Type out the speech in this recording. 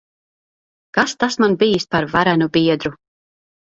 Kas tas man bijis par varenu biedru!